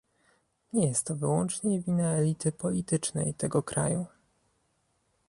Nie jest to wyłącznie wina elity politycznej tego kraju